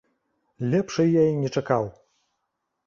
Лепшай я і не чакаў!